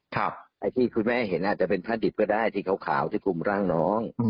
ไอ้ที่คุณแม่เห็นอาจจะเป็นผ้าดิบก็ได้ที่ขาวที่คลุมร่างน้อง